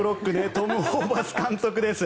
トム・ホーバス監督です。